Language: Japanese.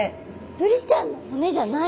ブリちゃんの骨じゃない！？